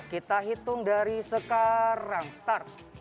kita hitung dari sekarang start